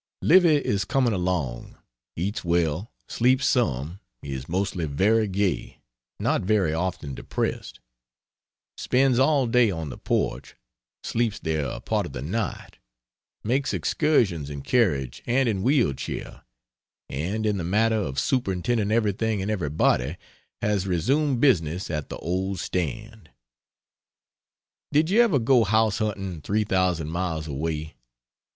Livy is coming along: eats well, sleeps some, is mostly very gay, not very often depressed; spends all day on the porch, sleeps there a part of the night, makes excursions in carriage and in wheel chair; and, in the matter of superintending everything and everybody, has resumed business at the old stand. Did you ever go house hunting 3,000 miles away?